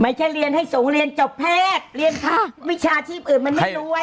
เรียนให้สงฆ์เรียนจบแพทย์เรียนภาควิชาชีพอื่นมันไม่รวย